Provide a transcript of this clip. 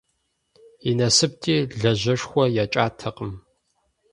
И насыпти, лажьэшхуэ екӀатэкъым.